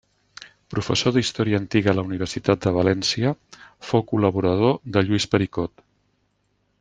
Professor d'Història Antiga a la Universitat de València, fou col·laborador de Lluís Pericot.